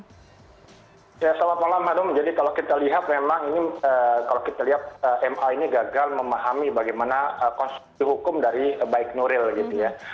selamat malam harum jadi kalau kita lihat memang ini kalau kita lihat ma ini gagal memahami bagaimana konstruksi hukum dari baik nuril gitu ya